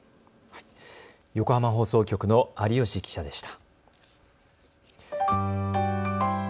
横浜放送局の有吉記者でした。